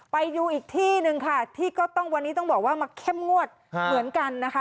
ไปดูอีกที่หนึ่งค่ะที่ก็ต้องวันนี้ต้องบอกว่ามาเข้มงวดเหมือนกันนะคะ